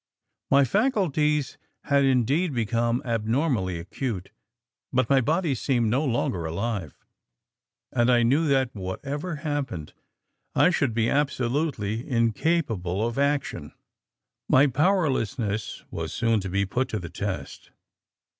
My faculties had indeed become abnormally acute, but my body seemed no longer alive, and I knew that whatever happened I should be absolutely incapable of action. My powerlessness was soon to be put to the test.